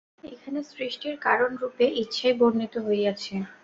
এখানে সৃষ্টির কারণরূপে ইচ্ছাই বর্ণিত হইয়াছে।